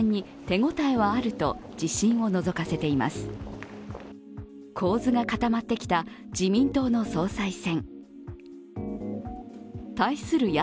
構図が固まってきた自民党の総裁選。